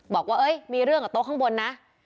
บอกว่ามีเรื่องกับโต๊ะข้างบนนะ